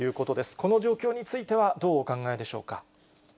この状況については、どうお考えでしょうか。